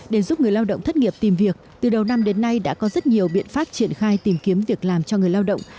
để giúp người lao động thất nghiệp tìm việc từ đầu năm đến nay đã có rất nhiều biện pháp triển khai tìm kiếm việc làm cho người lao động